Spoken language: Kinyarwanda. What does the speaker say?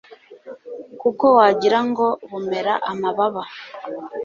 kuko wagira ngo bumera amababa